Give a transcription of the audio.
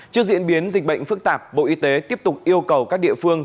trước diễn biến dịch bệnh phức tạp bộ y tế tiếp tục yêu cầu các địa phương